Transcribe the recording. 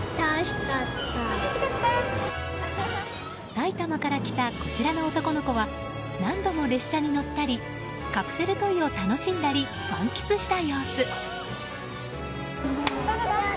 埼玉から来たこちらの男の子は何度も列車に乗ったりカプセルトイを楽しんだり満喫した様子。